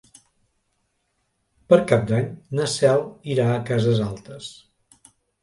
Per Cap d'Any na Cel irà a Cases Altes.